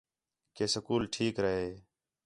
کہ سکول ٹھیک رہے